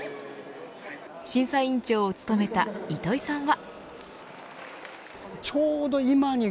審査員長を務めた糸井さんは。